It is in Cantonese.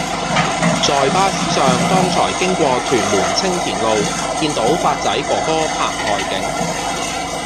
在巴士上剛才經過屯門青田路見到發仔哥哥拍外景